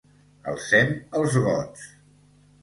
Alcem els gots!